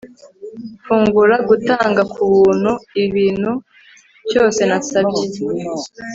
fungura gutanga kubuntu ikintu cyose nasabye